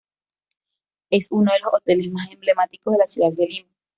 Es uno de los hoteles más emblemáticos de la ciudad de Lima.